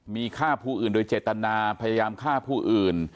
มีฆ่าผู้อื่นโดยเจตนาพยายามฆ่าผู้อื่น